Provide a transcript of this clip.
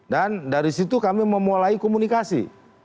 dan dari situ kami memulai komunikasi